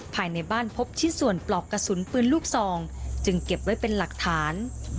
ภายในบ้านพบชิ้นส่วนปลอกกระสุนปืนลูกซองจึงเก็บไว้เป็นหลักฐาน